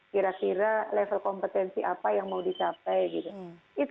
kira kira level kompetensi apa yang mau dicapai gitu